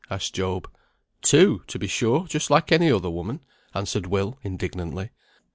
asked Job. "Two, to be sure, just like any other woman," answered Will, indignantly.